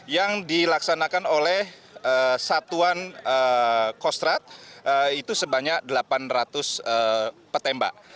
yang dilaksanakan oleh satuan kostrat itu sebanyak delapan ratus petembak